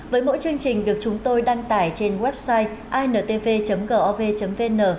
với mỗi chương trình được chúng tôi đăng tải trên website intv gov vn